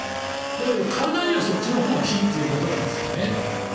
だけど体にはそっちのほうがいいということなんですよね。